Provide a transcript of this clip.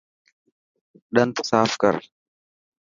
ڏنت صاف ڪر.